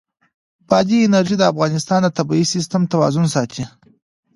بادي انرژي د افغانستان د طبعي سیسټم توازن ساتي.